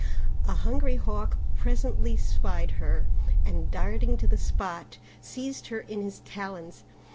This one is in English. A hungry Hawk presently spied her, and darting to the spot seized her in his talons.